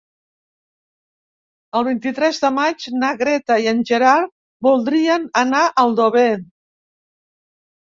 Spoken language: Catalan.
El vint-i-tres de maig na Greta i en Gerard voldrien anar a Aldover.